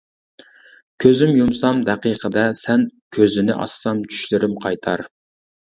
كۆزۈم يۇمسام دەقىقىدە سەن كۆزنى ئاچسام چۈشلىرىم قايتار.